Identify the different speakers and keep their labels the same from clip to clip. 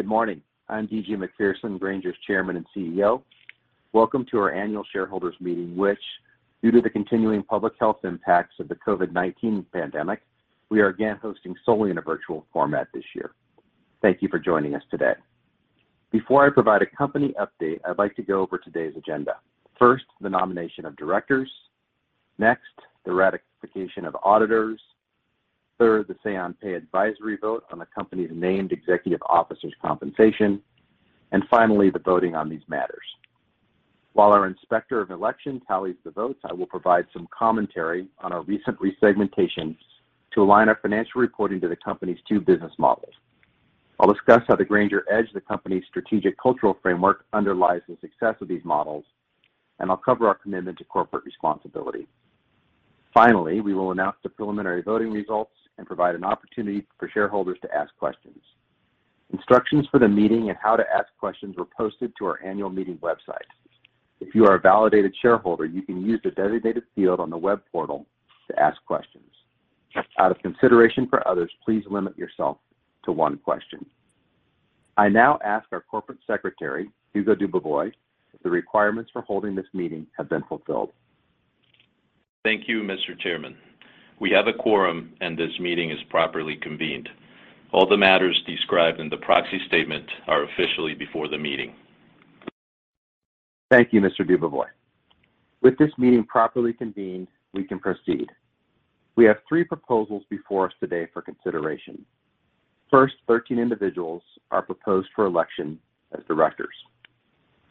Speaker 1: Good morning. I'm D.G. Macpherson, Grainger's Chairman and CEO. Welcome to our annual shareholders meeting, which due to the continuing public health impacts of the COVID-19 pandemic, we are again hosting solely in a virtual format this year. Thank you for joining us today. Before I provide a company update, I'd like to go over today's agenda. First, the nomination of directors. Next, the ratification of auditors. Third, the Say on Pay advisory vote on the company's named executive officers' compensation. Finally, the voting on these matters. While our Inspector of Election tallies the votes, I will provide some commentary on our recent resegmentations to align our financial reporting to the company's two business models. I'll discuss how the Grainger Edge, the company's strategic cultural framework, underlies the success of these models, and I'll cover our commitment to corporate responsibility. We will announce the preliminary voting results and provide an opportunity for shareholders to ask questions. Instructions for the meeting and how to ask questions were posted to our annual meeting website. If you are a validated shareholder, you can use the designated field on the web portal to ask questions. Out of consideration for others, please limit yourself to one question. I now ask our Corporate Secretary, Hugo Dubovoy, if the requirements for holding this meeting have been fulfilled.
Speaker 2: Thank you, Mr. Chairman. We have a quorum, and this meeting is properly convened. All the matters described in the proxy statement are officially before the meeting.
Speaker 1: Thank you, Mr. Dubovoy. With this meeting properly convened, we can proceed. We have three proposals before us today for consideration. First, 13 individuals are proposed for election as directors.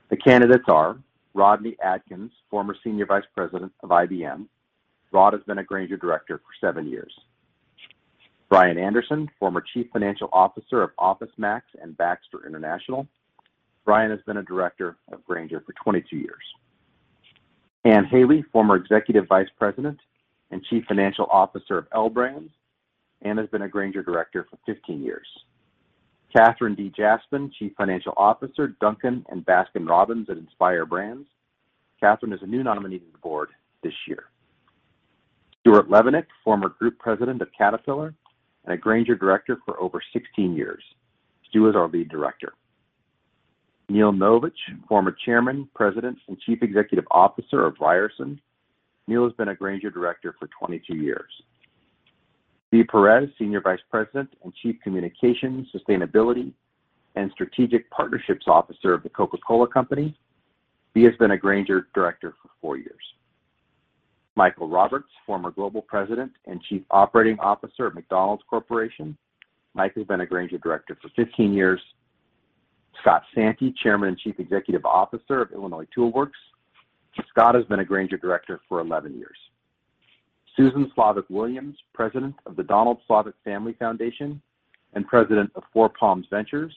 Speaker 1: The candidates are Rodney Adkins, former Senior Vice President of IBM. Rod has been a Grainger director for seven years. Brian Anderson, former Chief Financial Officer of OfficeMax and Baxter International. Brian has been a director of Grainger for 22 years. Ann Hailey, former Executive Vice President and Chief Financial Officer of L Brands, Ann has been a Grainger director for 15 years. Katherine D. Jaspon, Chief Financial Officer, Dunkin' and Baskin-Robbins at Inspire Brands. Katherine is a new nominee to the board this year. Stuart Levenick, former Group President of Caterpillar and a Grainger director for over 16 years. Stuart is our Lead Director. Neil Novich, former Chairman, President, and Chief Executive Officer of Ryerson. Neil has been a Grainger director for 22 years. Bea Perez, Senior Vice President and Chief Communications, Sustainability, and Strategic Partnerships Officer of The Coca-Cola Company. Bea has been a Grainger director for four years. Michael Roberts, former Global President and Chief Operating Officer at McDonald's Corporation. Mike has been a Grainger director for 15 years. Scott Santi, Chairman and Chief Executive Officer of Illinois Tool Works. Scott has been a Grainger director for 11 years. Susan Slavik Williams, President of The Donald Slavik Family Foundation and President of Four Palms Ventures.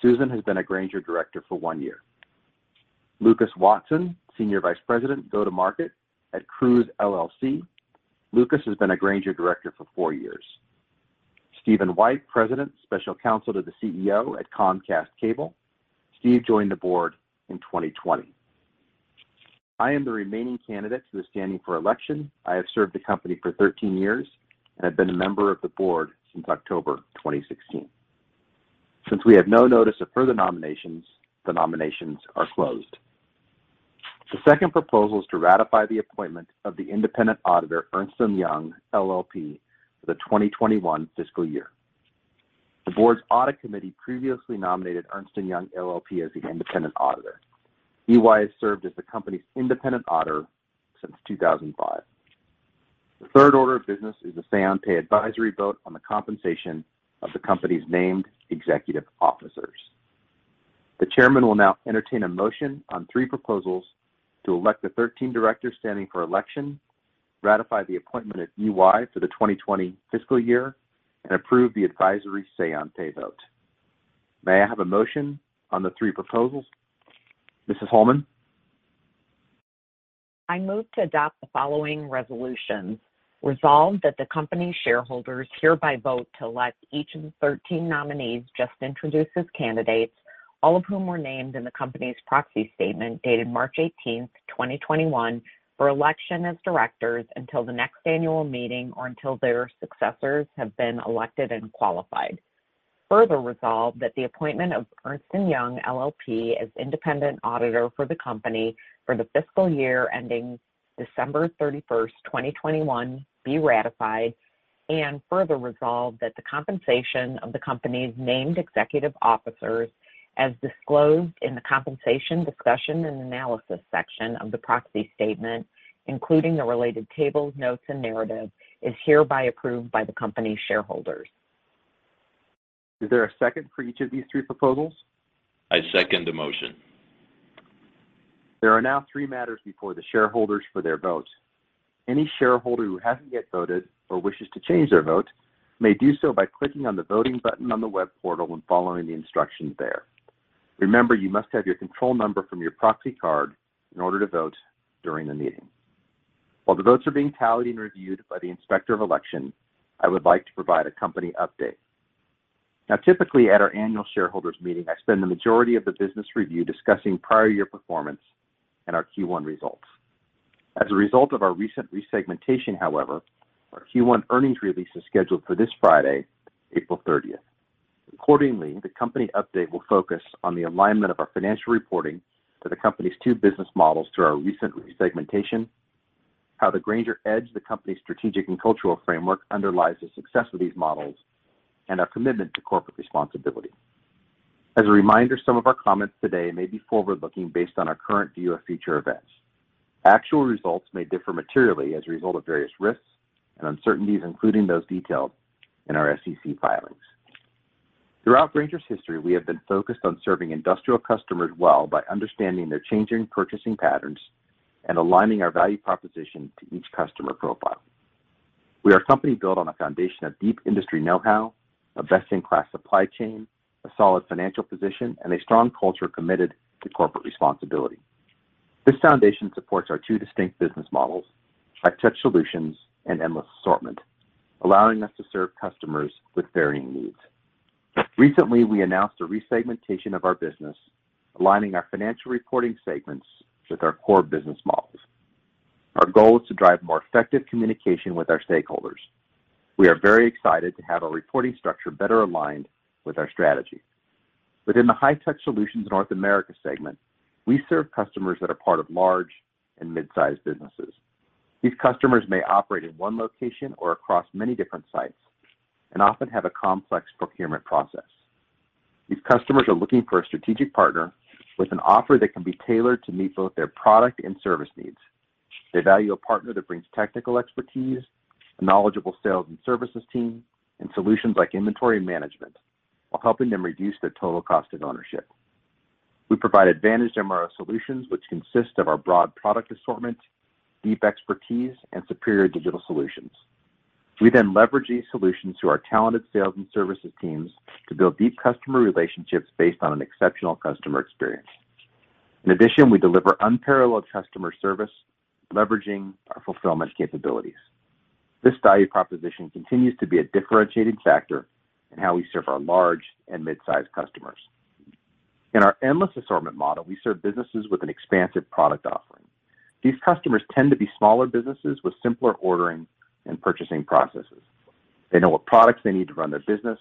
Speaker 1: Susan has been a Grainger director for one year. Lucas Watson, Senior Vice President, Go-to-Market at Cruise LLC. Lucas has been a Grainger director for four years. Steven White, President, Special Counsel to the CEO at Comcast Cable. Steve joined the board in 2020. I am the remaining candidate who is standing for election. I have served the company for 13 years and have been a member of the board since October 2016. Since we have no notice of further nominations, the nominations are closed. The second proposal is to ratify the appointment of the independent auditor, Ernst & Young LLP, for the 2021 fiscal year. The board's audit committee previously nominated Ernst & Young LLP as the independent auditor. EY has served as the company's independent auditor since 2005. The third order of business is the Say on Pay advisory vote on the compensation of the company's named executive officers. The chairman will now entertain a motion on three proposals to elect the 13 directors standing for election, ratify the appointment of EY for the 2020 fiscal year, and approve the advisory Say on Pay vote. May I have a motion on the three proposals? Mrs. Holman?
Speaker 3: I move to adopt the following resolutions. Resolve that the company shareholders hereby vote to elect each of the 13 nominees just introduced as candidates, all of whom were named in the company's proxy statement dated March 18th, 2021, for election as directors until the next annual meeting or until their successors have been elected and qualified. Further resolve that the appointment of Ernst & Young LLP as independent auditor for the company for the fiscal year ending December 31st, 2021, be ratified. Further resolve that the compensation of the company's named executive officers as disclosed in the compensation discussion and analysis section of the proxy statement, including the related tables, notes, and narrative, is hereby approved by the company's shareholders.
Speaker 1: Is there a second for each of these three proposals?
Speaker 2: I second the motion.
Speaker 1: There are now three matters before the shareholders for their vote. Any shareholder who hasn't yet voted or wishes to change their vote may do so by clicking on the Voting button on the web portal and following the instructions there. Remember, you must have your control number from your proxy card in order to vote during the meeting. While the votes are being tallied and reviewed by the Inspector of Election, I would like to provide a company update. Now, typically, at our annual shareholders meeting, I spend the majority of the business review discussing prior year performance and our Q1 results. As a result of our recent resegmentation, however, our Q1 earnings release is scheduled for this Friday, April 30th. The company update will focus on the alignment of our financial reporting to the company's two business models through our recent resegmentation, how the Grainger Edge, the company's strategic and cultural framework, underlies the success of these models, and our commitment to corporate responsibility. As a reminder, some of our comments today may be forward-looking based on our current view of future events. Actual results may differ materially as a result of various risks and uncertainties, including those detailed in our SEC filings. Throughout Grainger's history, we have been focused on serving industrial customers well by understanding their changing purchasing patterns and aligning our value proposition to each customer profile. We are a company built on a foundation of deep industry know-how, a best-in-class supply chain, a solid financial position, and a strong culture committed to corporate responsibility. This foundation supports our two distinct business models, High-Touch Solutions and endless assortment, allowing us to serve customers with varying needs. Recently, we announced a resegmentation of our business, aligning our financial reporting segments with our core business models. Our goal is to drive more effective communication with our stakeholders. We are very excited to have our reporting structure better aligned with our strategy. Within the High-Touch Solutions North America segment, we serve customers that are part of large and mid-sized businesses. These customers may operate in one location or across many different sites and often have a complex procurement process. These customers are looking for a strategic partner with an offer that can be tailored to meet both their product and service needs. They value a partner that brings technical expertise, a knowledgeable sales and services team, and solutions like inventory management, while helping them reduce their total cost of ownership. We provide advantaged MRO solutions, which consist of our broad product assortment, deep expertise, and superior digital solutions. We then leverage these solutions through our talented sales and services teams to build deep customer relationships based on an exceptional customer experience. In addition, we deliver unparalleled customer service, leveraging our fulfillment capabilities. This value proposition continues to be a differentiating factor in how we serve our large and mid-sized customers. In our endless assortment model, we serve businesses with an expansive product offering. These customers tend to be smaller businesses with simpler ordering and purchasing processes. They know what products they need to run their business,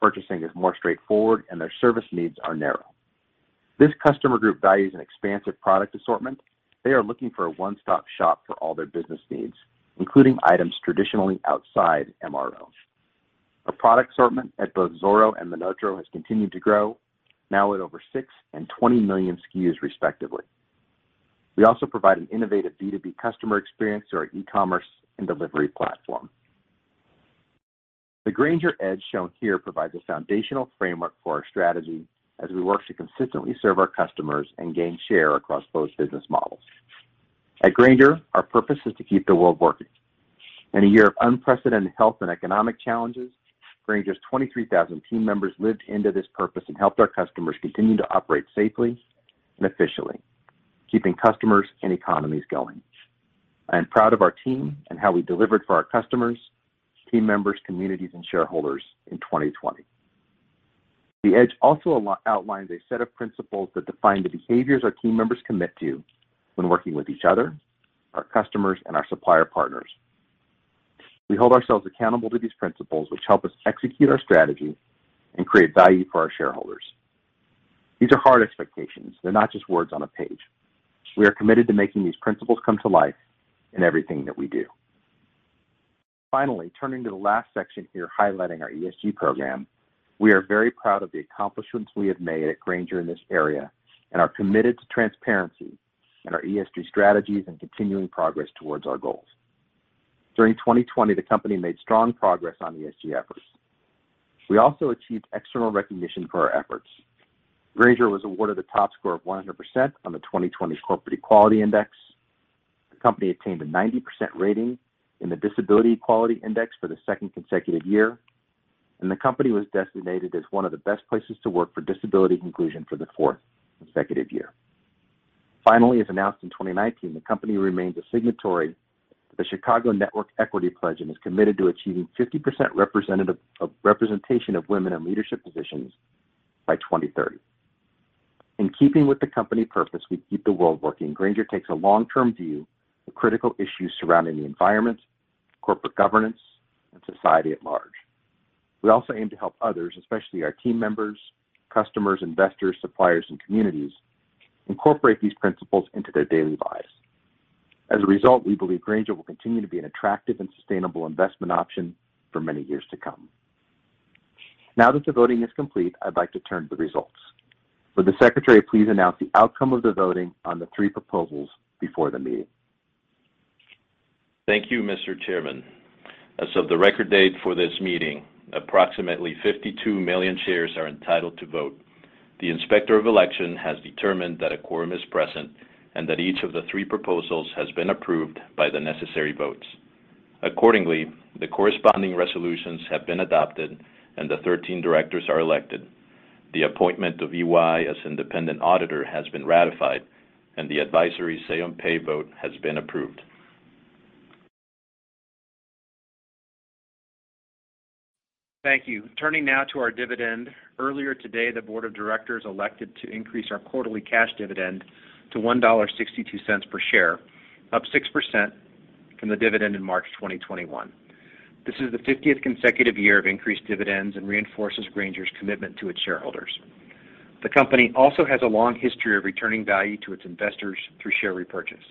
Speaker 1: purchasing is more straightforward, and their service needs are narrow. This customer group values an expansive product assortment. They are looking for a one-stop shop for all their business needs, including items traditionally outside MRO. Our product assortment at both Zoro and MonotaRO has continued to grow, now at over 6 million and 20 million SKUs respectively. We also provide an innovative B2B customer experience through our e-commerce and delivery platform. The Grainger Edge shown here provides a foundational framework for our strategy as we work to consistently serve our customers and gain share across both business models. At Grainger, our purpose is to keep the world working. In a year of unprecedented health and economic challenges, Grainger's 23,000 team members lived into this purpose and helped our customers continue to operate safely and efficiently, keeping customers and economies going. I am proud of our team and how we delivered for our customers, team members, communities, and shareholders in 2020. Grainger Edge also outlines a set of principles that define the behaviors our team members commit to when working with each other, our customers, and our supplier partners. We hold ourselves accountable to these principles, which help us execute our strategy and create value for our shareholders. These are hard expectations. They're not just words on a page. We are committed to making these principles come to life in everything that we do. Finally, turning to the last section here highlighting our ESG program, we are very proud of the accomplishments we have made at Grainger in this area and are committed to transparency in our ESG strategies and continuing progress towards our goals. During 2020, the company made strong progress on ESG efforts. We also achieved external recognition for our efforts. Grainger was awarded a top score of 100% on the 2020 Corporate Equality Index. The company attained a 90% rating in the Disability Equality Index for the second consecutive year, and the company was designated as one of the best places to work for disability inclusion for the fourth consecutive year. Finally, as announced in 2019, the company remains a signatory to The Chicago Network Equity Principles and is committed to achieving 50% representation of women in leadership positions by 2030. In keeping with the company purpose, we keep the world working. Grainger takes a long-term view of critical issues surrounding the environment, corporate governance, and society at large. We also aim to help others, especially our team members, customers, investors, suppliers, and communities, incorporate these principles into their daily lives. As a result, we believe Grainger will continue to be an attractive and sustainable investment option for many years to come. Now that the voting is complete, I'd like to turn to the results. Would the secretary please announce the outcome of the voting on the three proposals before the meeting?
Speaker 2: Thank you, Mr. Chairman. As of the record date for this meeting, approximately 52 million shares are entitled to vote. The Inspector of Election has determined that a quorum is present and that each of the three proposals has been approved by the necessary votes. Accordingly, the corresponding resolutions have been adopted and the 13 directors are elected. The appointment of EY as independent auditor has been ratified, and the advisory Say on Pay vote has been approved.
Speaker 1: Thank you. Turning now to our dividend. Earlier today, the board of directors elected to increase our quarterly cash dividend to $1.62 per share, up 6% from the dividend in March 2021. This is the 50th consecutive year of increased dividends and reinforces Grainger's commitment to its shareholders. The company also has a long history of returning value to its investors through share repurchase.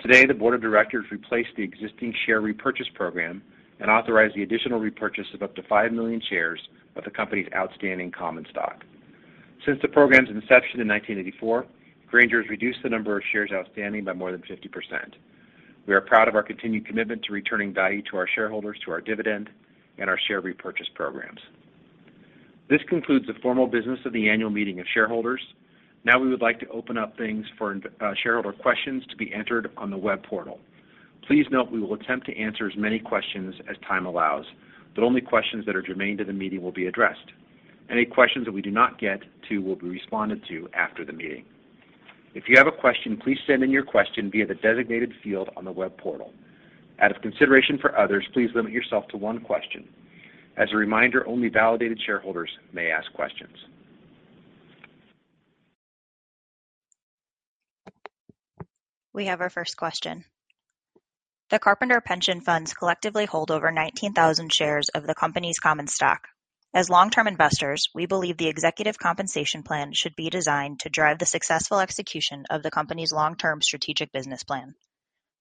Speaker 1: Today, the board of directors replaced the existing share repurchase program and authorized the additional repurchase of up to five million shares of the company's outstanding common stock. Since the program's inception in 1984, Grainger has reduced the number of shares outstanding by more than 50%. We are proud of our continued commitment to returning value to our shareholders through our dividend and our share repurchase programs. This concludes the formal business of the annual meeting of shareholders. Now, we would like to open up things for shareholder questions to be entered on the web portal. Please note we will attempt to answer as many questions as time allows, but only questions that are germane to the meeting will be addressed. Any questions that we do not get to will be responded to after the meeting. If you have a question, please send in your question via the designated field on the web portal. Out of consideration for others, please limit yourself to one question. As a reminder, only validated shareholders may ask questions.
Speaker 4: We have our first question. The Carpenter pension funds collectively hold over 19,000 shares of the company's common stock. As long-term investors, we believe the executive compensation plan should be designed to drive the successful execution of the company's long-term strategic business plan.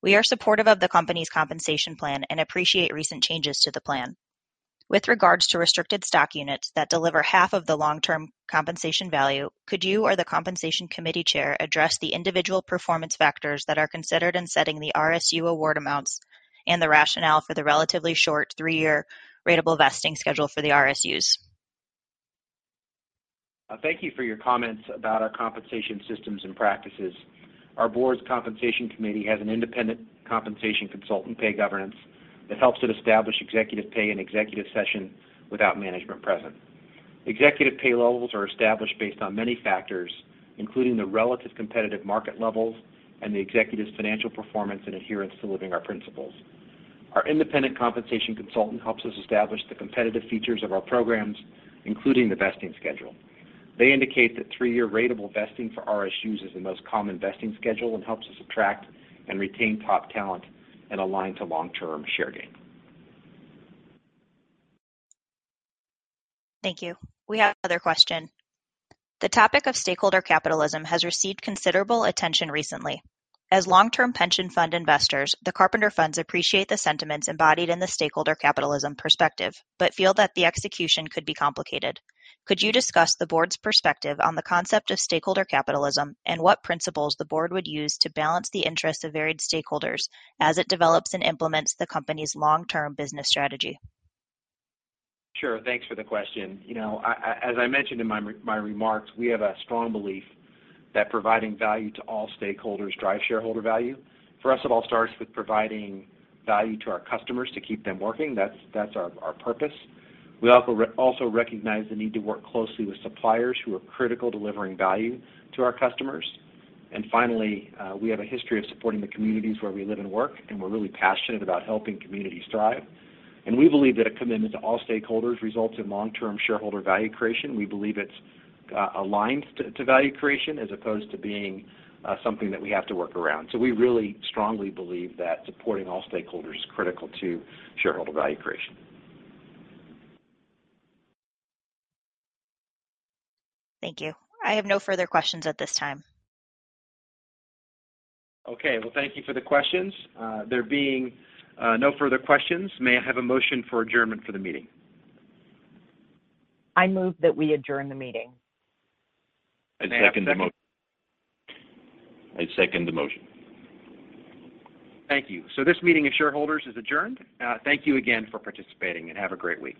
Speaker 4: We are supportive of the company's compensation plan and appreciate recent changes to the plan. With regards to restricted stock units that deliver half of the long-term compensation value, could you or the compensation committee chair address the individual performance factors that are considered in setting the RSU award amounts and the rationale for the relatively short three-year ratable vesting schedule for the RSUs?
Speaker 1: Thank you for your comments about our compensation systems and practices. Our board's compensation committee has an independent compensation consultant Pay Governance that helps it establish executive pay in executive session without management present. Executive pay levels are established based on many factors, including the relative competitive market levels and the executive's financial performance and adherence to living our principles. Our independent compensation consultant helps us establish the competitive features of our programs, including the vesting schedule. They indicate that three-year ratable vesting for RSUs is the most common vesting schedule and helps us attract and retain top talent and align to long-term share gain.
Speaker 4: Thank you. We have another question. The topic of stakeholder capitalism has received considerable attention recently. As long-term pension fund investors, the Carpenter funds appreciate the sentiments embodied in the stakeholder capitalism perspective but feel that the execution could be complicated. Could you discuss the board's perspective on the concept of stakeholder capitalism and what principles the board would use to balance the interests of varied stakeholders as it develops and implements the company's long-term business strategy?
Speaker 1: Sure. Thanks for the question. As I mentioned in my remarks, we have a strong belief that providing value to all stakeholders drives shareholder value. For us, it all starts with providing value to our customers to keep them working. That's our purpose. We also recognize the need to work closely with suppliers who are critical delivering value to our customers. Finally, we have a history of supporting the communities where we live and work, and we're really passionate about helping communities thrive. We believe that a commitment to all stakeholders results in long-term shareholder value creation. We believe it's aligned to value creation as opposed to being something that we have to work around. We really strongly believe that supporting all stakeholders is critical to shareholder value creation.
Speaker 4: Thank you. I have no further questions at this time.
Speaker 1: Okay. Well, thank you for the questions. There being no further questions, may I have a motion for adjournment for the meeting?
Speaker 3: I move that we adjourn the meeting.
Speaker 2: I second the motion.
Speaker 1: Thank you. This meeting of shareholders is adjourned. Thank you again for participating, and have a great week.